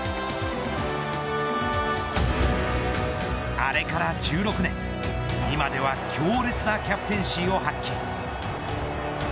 あれから１６年今では強烈なキャプテンシーを発揮。